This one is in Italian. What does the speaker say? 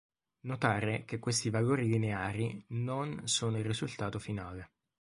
Notare che questi valori lineari "non" sono il risultato finale.